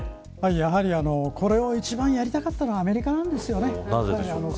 やはりこれを一番やりたかったのはアメリカなんですよね。